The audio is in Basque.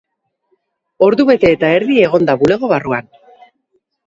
Ordubete eta erdi egon da bulego barruan.